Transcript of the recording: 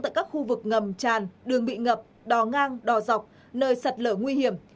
tại các khu vực ngầm tràn đường bị ngập đò ngang đò dọc nơi sạt lở nguy hiểm